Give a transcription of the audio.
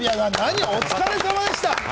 お疲れさまでした！